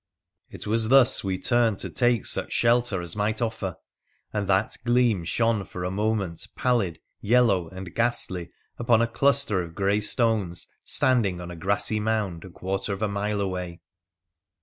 It was thus we turned to take such shelter as might offer, and that gleam shone for a moment pallid, yellow, and ghastly $6 WOXDERFUL ADVENTURES OF upon a cluster of grey stones standing on a grassy mound a quarter of a mile away.